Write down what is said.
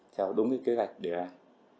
theo đúng kế hoạch điều hành